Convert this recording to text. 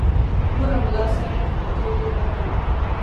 ګوره ملا صاحب خپه کېږې به نه.